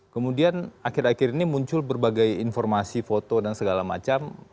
kemudian akhir akhir ini muncul berbagai informasi foto dan segala macam